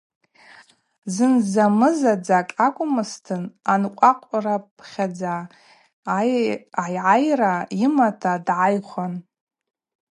Зын-замызадзакӏ акӏвмызтын анкъвакъврипхьадза айгӏайра йымата дгӏайхуан.